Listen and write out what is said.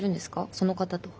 その方とは。